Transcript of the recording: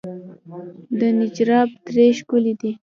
د نجراب درې ښکلې دي